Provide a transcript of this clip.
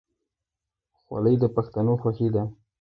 خولۍ د پښتنو خوښي ده.